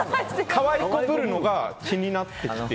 かわいこぶるのが気になってきて。